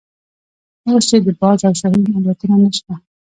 اوس چې د باز او شاهین الوتنه نشته.